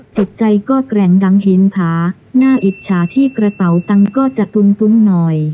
จิตใจก็แกร่งดังหินผาน่าอิจฉาที่กระเป๋าตังค์ก็จะตุ้นหน่อย